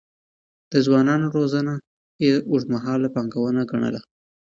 د ځوانانو روزنه يې اوږدمهاله پانګونه ګڼله.